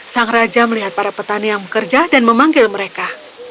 sang raja melihat para petani yang bekerja dan memanggil mereka